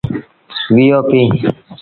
وي او پيٚ۔